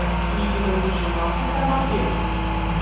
Igen uqjun ɣef ukanapi.